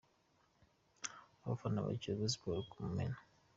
Abafana ba Kiyovu Sport ku Mumena .